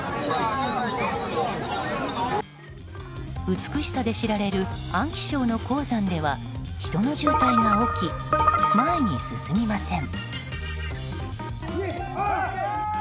美しさで知られる安徽省の黄山では人の渋滞が起き、前に進みません。